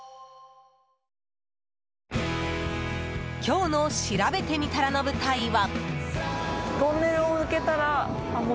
今日のしらべてみたらの舞台は。